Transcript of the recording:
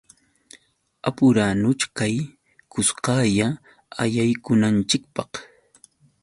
Apuranuchkay kuskalla allaykunanchikpaq.